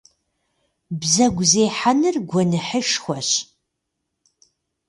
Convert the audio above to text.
Бзэгу зехьэныр гуэныхьышхуэщ.